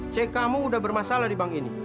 cek kamu udah bermasalah di bank ini